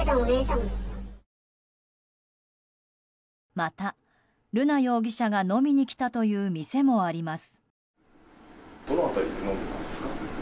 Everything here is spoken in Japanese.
また、瑠奈容疑者が飲みに来たという店もあります。